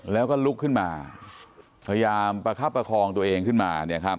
แล้วก็ลุกขึ้นมาพยายามประคับประคองตัวเองขึ้นมา